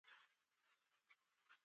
د وینې د دوران ستونزې د سګرټو څښل دي.